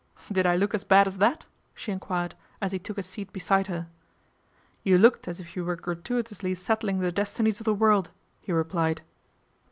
" Did I look as bad as that ?" she enquired, as he took a seat beside her. " You looked as if you were gratuitously settling the destinies of the world," he replied.